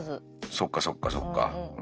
そっかそっかそっか。